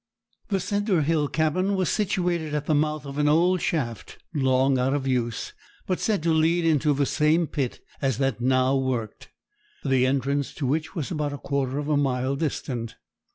The cinder hill cabin was situated at the mouth of an old shaft, long out of use, but said to lead into the same pit as that now worked, the entrance to which was about a quarter of a mile distant.